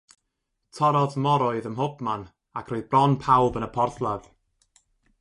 Torrodd moroedd ym mhobman, ac roedd bron pawb yn y porthladd.